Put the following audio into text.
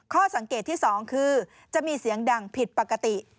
ข้อสังเกตที่๒คือจะมีเสียงดังผิดปกติ